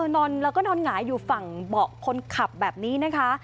นอนแล้วก็นอนหงายอยู่ฝั่งเบาะคนขับแบบนี้นะคะ